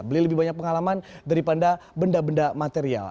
beli lebih banyak pengalaman daripada benda benda material